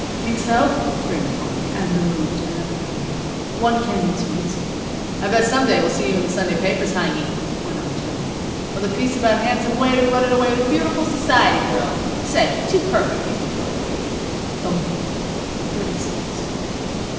"Think so?" grinned Henri, and removed another cover. "One candied sweets." "I bet some day we'll see you in the Sunday papers, Heiny," went on Tony, "with a piece about handsome waiter runnin' away with beautiful s'ciety girl. Say; you're too perfect even for a waiter." Thump! Thirty cents.